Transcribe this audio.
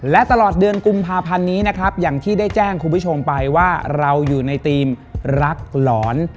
และตลอดเดือนกุมภาพันธ์นี้นะครับอย่างที่ได้แจ้งคุณผู้ชมไปว่าเราอยู่ในธีมรักหลอน